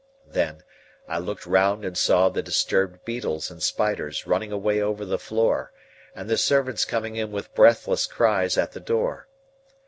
Then, I looked round and saw the disturbed beetles and spiders running away over the floor, and the servants coming in with breathless cries at the door.